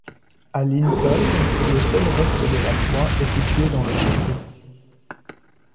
À Lincoln, le seul reste de la croix est situé dans le château.